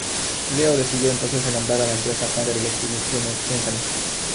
Leo decidió entonces renombrar a la empresa 'Fender Electric Instrument Company'.